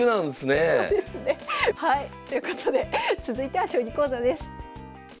はいということで続いては将棋講座です。